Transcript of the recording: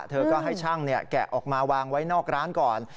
เธอก็ให้ช่างแกะออกมาวางไว้นอกร้านก่อน